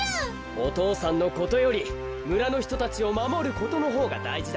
お父さんのことよりむらのひとたちをまもることのほうがだいじだ。